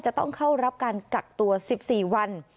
จะต้องเข้ารับการกักตัว๑๔วัน